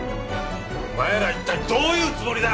お前ら一体どういうつもりだ！？